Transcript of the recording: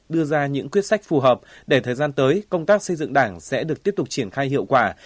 đưa ra những quyết sách phù hợp để thời gian tới công tác xây dựng đảng sẽ được tiếp tục triển khai hiệu quả